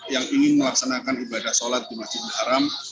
yang ingin melaksanakan ibadah sholat di masjid haram